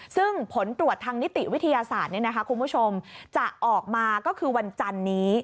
ซึ่งผลตรวจทางนิติวิทยาศาสตร์คุณผู้ชมจะออกมาก็คือวันจันนี้